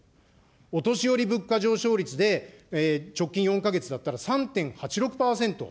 お年寄り物価上昇率で直近４か月だったら３．８６％。